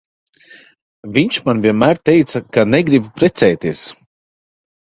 Viņš man vienmēr teica, ka negrib precēties.